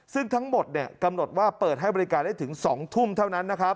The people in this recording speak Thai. ซึ่งทั้งหมดกำหนดว่าเปิดให้บริการได้ถึง๒ทุ่มเท่านั้นนะครับ